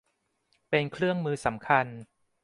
เป็นเครื่องมือสำคัญ